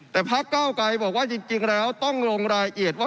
แต่พักเก้าไกรบอกว่าจริงแล้วต้องลงรายละเอียดว่า